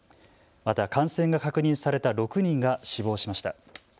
また感染が確認された６人が死亡しました。